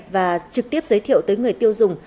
và trực tiếp giới thiệu tới người tiêu dùng